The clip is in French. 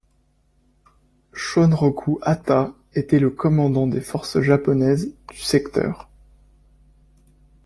Shunroku Hata était le commandant des forces japonaises du secteur.